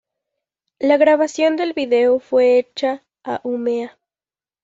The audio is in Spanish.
La grabación del video fue hecha a Umeå.